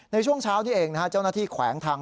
ในช่วงเช้านี้เองนะฮะเจ้าหน้าที่แขวงทาง